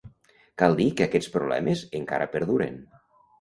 Cal dir que aquests problemes encara perduren.